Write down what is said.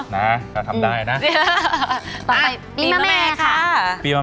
แม่บ้านประจันบัน